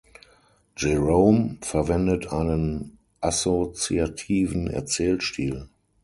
Jerome verwendet einen assoziativen Erzählstil.